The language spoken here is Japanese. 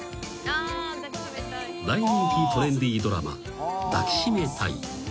［大人気トレンディードラマ『抱きしめたい！』］